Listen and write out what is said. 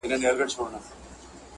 که پر در دي د یار دغه سوال قبلېږي-